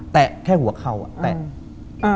แค่หัวเข่าแตะ